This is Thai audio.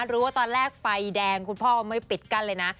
รู้ว่าตอนแรกไฟแดงคุณพ่อก็ไม่ปิดกั้นเลยนะ